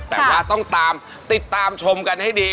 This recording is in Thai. แต่ว่าต้องตามติดตามชมกันให้ดี